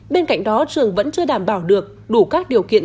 bên cạnh đó trường vẫn chưa đảm bảo được đủ các điều kiện